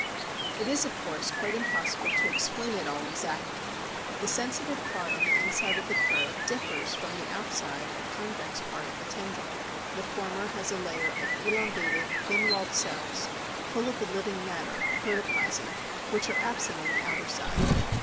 It is, of course, quite impossible to explain it all exactly: the sensitive part on the inside of the curve differs from the outside or convex part of the tendril; the former has a layer of elongated, thin walled cells, full of the living matter, protoplasm, which are absent on the outer side.